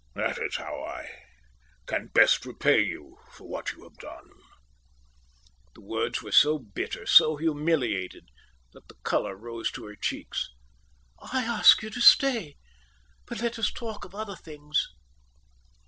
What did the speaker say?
That is how I can best repay you for what you have done." The words were so bitter, so humiliated, that the colour rose to her cheeks. "I ask you to stay. But let us talk of other things."